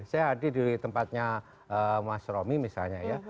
saya hadir di tempatnya mas romi misalnya ya